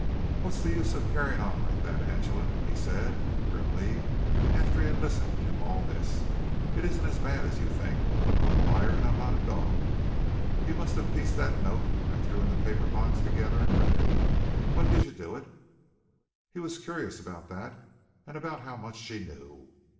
"What's the use of your carrying on like that, Angela?" he said grimly, after he had listened to all this. "It isn't as bad as you think. I'm not a liar, and I'm not a dog! You must have pieced that note I threw in the paper box together and read it. When did you do it?" He was curious about that and about how much she knew.